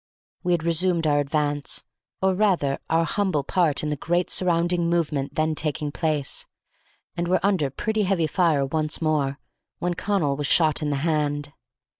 We had resumed our advance, or rather our humble part in the great surrounding movement then taking place, and were under pretty heavy fire once more, when Connal was shot in the hand.